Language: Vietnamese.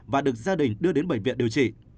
và được gia đình đưa đến bệnh viện điều trị